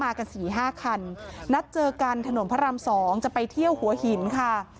กันสี่ห้าคันนัดเจอกันถนนพระราม๒จะไปเที่ยวหัวหินค่ะ